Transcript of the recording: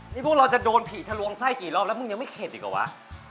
นี่พวกเราจะโดนผีทะลวงไส้กี่รอบแล้วมึงยังไม่เข็ดอีกหรอวะ